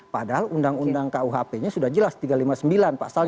padahal undang undang kuhp nya sudah jelas